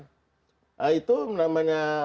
nah itu namanya